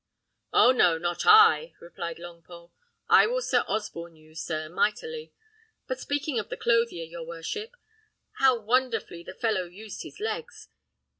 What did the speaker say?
"Oh, no! not I," replied Longpole; "I will Sir Osborne you, sir, mightily. But speaking of the clothier, your worship, how wonderfully the fellow used his legs!